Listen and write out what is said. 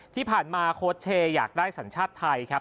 ที่ผ่านมาโค้ดเชย์อยากได้สัญชาติไทยครับ